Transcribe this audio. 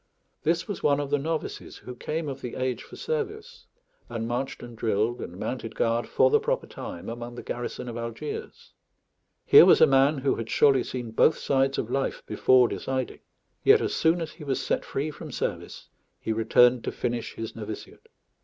This was one of the novices, who came of the age for service, and marched and drilled and mounted guard for the proper time among the garrison of Algiers. Here was a man who had surely seen both sides of life before deciding; yet as soon as he was set free from service he returned to finish his novitiate.